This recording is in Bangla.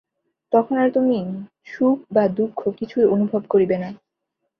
তখন আর তুমি সুখ বা দুঃখ কিছুই অনুভব করিবে না।